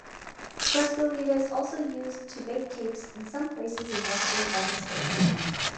Frescolita is also used to bake cakes in some places in Western Venezuela.